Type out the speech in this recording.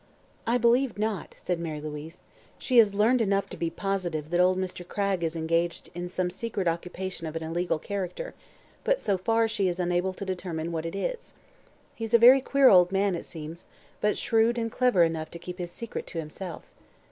"I believe not," said Mary Louise. "She has learned enough to be positive that old Mr. Cragg is engaged in some secret occupation of an illegal character, but so far she is unable to determine what it is. He's a very queer old man, it seems, but shrewd and clever enough to keep his secret to himself."